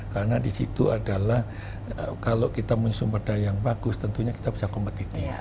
karena di situ adalah kalau kita punya sumber daya yang bagus tentunya kita bisa kompetitif